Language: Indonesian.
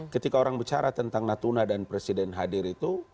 ketika orang bicara tentang natuna dan presiden hadir itu